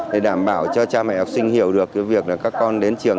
để đảm bảo cho cha mẹ học sinh hiểu được cái việc là các con đến trường